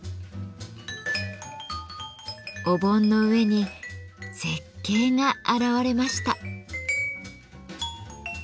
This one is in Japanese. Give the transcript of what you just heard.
お盆の上に絶景が現れました。